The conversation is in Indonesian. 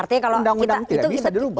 undang undang tidak bisa dirubah